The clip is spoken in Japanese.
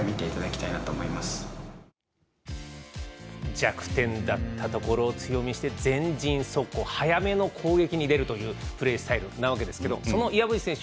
弱点だったところを強みにして前陣速攻早めの攻撃に出るというプレースタイルなわけですがその岩渕選手